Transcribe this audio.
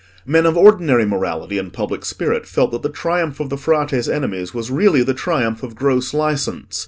Men of ordinary morality and public spirit felt that the triumph of the Frate's enemies was really the triumph of gross licence.